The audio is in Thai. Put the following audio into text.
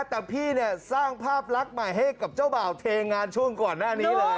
แต่พี่เนี่ยสร้างภาพลักษณ์ใหม่ให้กับเจ้าบ่าวเทงานช่วงก่อนหน้านี้เลย